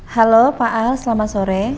halo pak al selamat sore